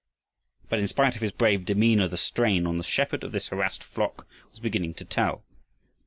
But in spite of his brave demeanor, the strain on the shepherd of this harassed flock was beginning to tell.